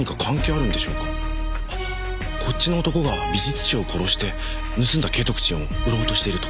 あっこっちの男が美術商を殺して盗んだ景徳鎮を売ろうとしているとか。